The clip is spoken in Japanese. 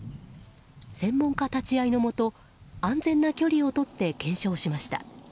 専門家立ち会いのもと安全な距離をとって検証しました。